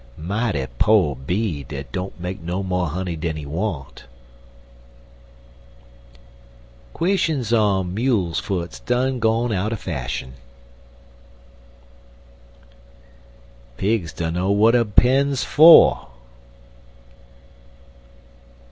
Mighty po' bee dat don't make mo' honey dan he want. Kwishins on mule's foots done gone out er fashun. Pigs dunno w'at a pen's fer.